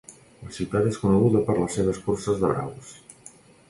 La ciutat és coneguda per les seves curses de braus.